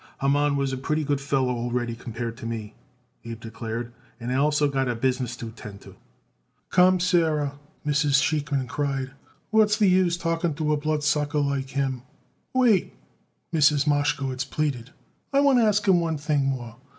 "Haman was a pretty good feller already compared to me," Abe declared; "and also I got business to attend to." "Come, Sarah," Mrs. Sheikman cried. "What's the use talking to a bloodsucker like him!" "Wait!" Mrs. Mashkowitz pleaded; "I want to ask him one thing more.